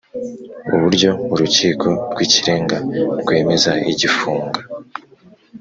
Uburyo Urukiko rw Ikirenga rwemeza igifunga